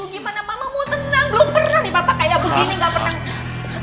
gimana mamamu tenang belum pernah nih papa kayak begini